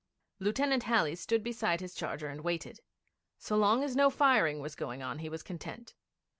Lieutenant Halley stood beside his charger and waited. So long as no firing was going on he was content.